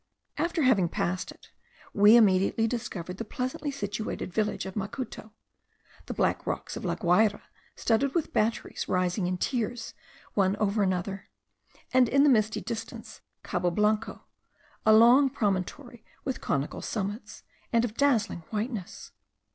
After having passed it, we immediately discovered the pleasantly situated village of Macuto; the black rocks of La Guayra, studded with batteries rising in tiers one over another, and in the misty distance, Cabo Blanco, a long promontory with conical summits, and of dazzling whiteness.